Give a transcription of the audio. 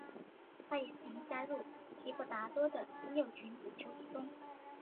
他也曾加入提婆达多的六群比丘之中。